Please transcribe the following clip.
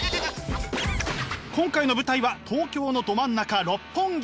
今回の舞台は東京のど真ん中六本木！